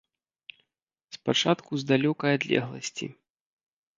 Спачатку з далёкай адлегласці.